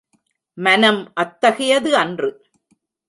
மனம் அத்தகையது அன்று.